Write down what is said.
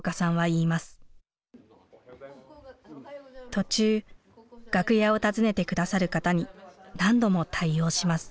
途中楽屋を訪ねて下さる方に何度も対応します。